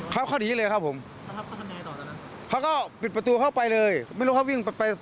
แล้วเขาเหลียวเขาเลี้ยวเข้าแมนชั่นแล้วเขาหนีได้ไหม